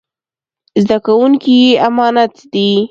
زده کوونکي يې امانت دي.